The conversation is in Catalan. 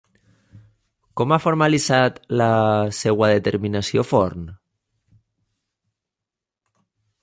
Com ha formalitzat la seva determinació Forn?